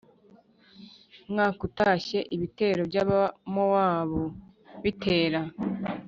Mwaka utashye ibitero by abamowabu bitera